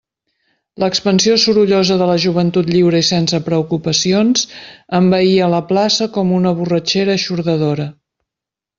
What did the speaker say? L'expansió sorollosa de la joventut lliure i sense preocupacions envaïa la plaça com una borratxera eixordadora.